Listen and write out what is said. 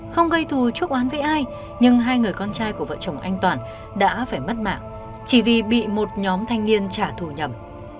không gây thù chúc án với ai nhưng hai người con trai của vợ chồng anh toàn đã phải mất mạng chỉ vì bị một nhóm thanh niên trả thù nhầm